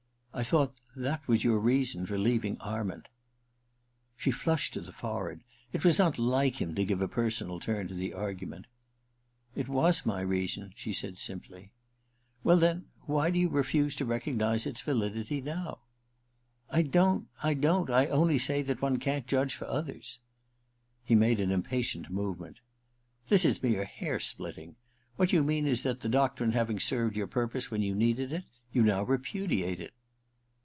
*I thought that was your reason for leaving Arment.* She flushed to the forehead. It was not like him to give a personal turn to the argument. * It was my reason/ she said simply. * Well, then — why do you refuse to recognize its validity now i '* I don't — I don't — I only say that one can't judge for others.' He made an impatient movement. ' This is mere hair splitting. What you mean is that, the doctrine having served your purpose when you needed it, you now repudiate it.'